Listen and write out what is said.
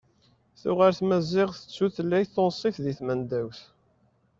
Tuɣal tmaziɣt d tutlayt tunṣbt di tmendawt.